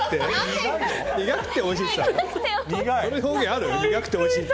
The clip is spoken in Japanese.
苦くておいしい。